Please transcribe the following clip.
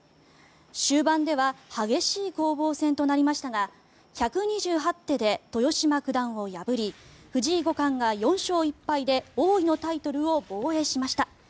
終盤では激しい攻防戦となりましたが１２８手で豊島九段を破り藤井五冠が４勝１敗で王位のタイトルを防衛しました。